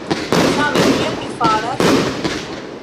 Same kiel mi faras?